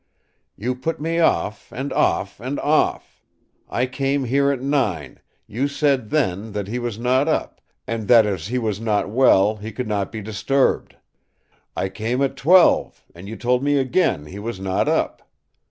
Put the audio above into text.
You put me off, and off, and off! I came here at nine; you said then that he was not up, and that as he was not well he could not be disturbed. I came at twelve; and you told me again he was not up.